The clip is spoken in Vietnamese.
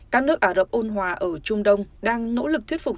các nước ả rập ôn hòa ở trung đông đang nỗ lực thuyết phục